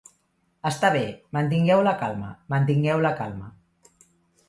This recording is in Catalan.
Està bé, mantingueu la calma, mantingueu la calma.